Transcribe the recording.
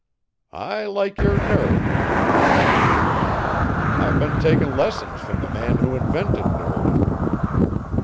"I like your nerve, young un." "I've been taking lessons from the man who invented nerve."